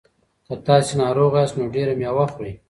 که تاسي ناروغه یاست نو ډېره مېوه خورئ.